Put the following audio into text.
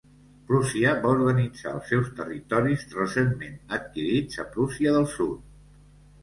Prússia va organitzar els seus territoris recentment adquirits a Prússia del Sud.